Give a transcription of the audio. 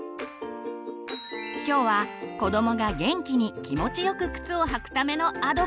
今日は子どもが元気に気持ちよく靴を履くためのアドバイス！